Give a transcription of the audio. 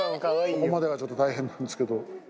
そこまでがちょっと大変なんですけど。